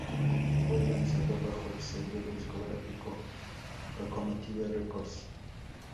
Fue lanzado bajo el sello discográfico Locomotive Records.